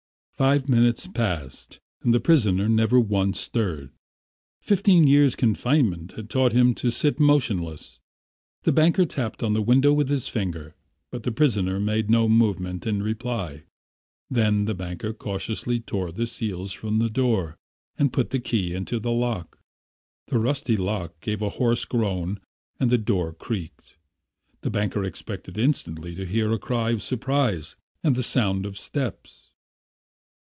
Five minutes passed and the prisoner never once stirred. Fifteen years' confinement had taught him to sit motionless. The banker tapped on the window with his finger, but the prisoner made no movement in reply. Then the banker cautiously tore the seals from the door and put the key into the lock. The rusty lock gave a hoarse groan and the door creaked. The banker expected instantly to hear a cry of surprise and the sound of steps.